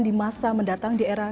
di masa mendatang di era